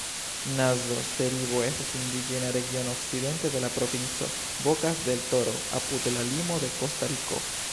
Nazo-Teribo estas indiĝena regiono okcidente de la provinco Bokas-del-Toro, apud la limo de Kostariko.